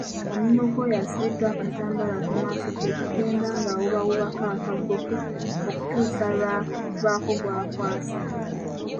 Omulimu gw’oyo asibiddwa akatambaala ku maaso kwe kugenda ng’awuubawuuba akaggo ke okutuusa lw’abaako gw’akwasa.